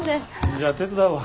じゃあ手伝うわ。